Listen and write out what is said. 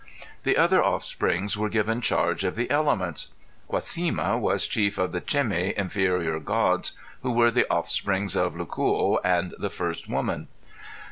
The other offsprings were given charge of the elements. Cuasima was chief of the Cemi inferior gods who were the offsprings of Lucuo and the first woman.